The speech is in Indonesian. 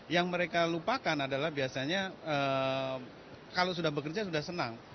yang mereka lupakan adalah biasanya kalau sudah bekerja sudah senang